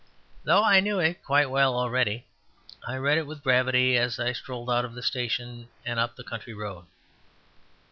Though I knew it quite well already, I read it with gravity as I strolled out of the station and up the country road.